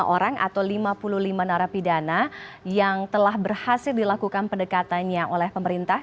lima orang atau lima puluh lima narapidana yang telah berhasil dilakukan pendekatannya oleh pemerintah